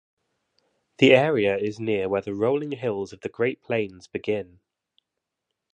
The area is near where the rolling hills of the great plains begin.